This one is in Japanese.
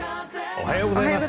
おはようございます。